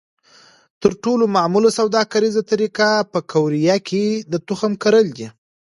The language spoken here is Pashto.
تر ټولو معموله سوداګریزه طریقه په قوریه کې د تخم کرل دي.